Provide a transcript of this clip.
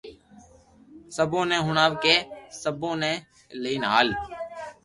سبوني ھڻاوھ ڪي سبونو لئين ھال